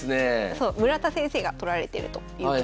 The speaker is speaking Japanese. そう村田先生が撮られてるということで。